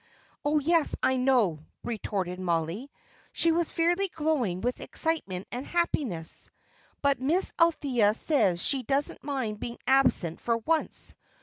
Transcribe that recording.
"Oh yes, I know," retorted Mollie she was fairly glowing with excitement and happiness "but Miss Althea says she doesn't mind being absent for once.